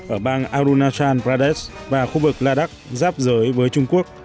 ở bang arunachal pradesh và khu vực ladakh ráp giới với trung quốc